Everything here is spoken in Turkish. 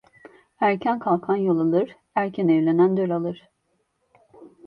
Erken kalkan yol alır, er evlenen döl alır.